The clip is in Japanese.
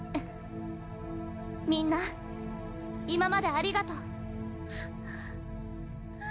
みんな今までありがとう。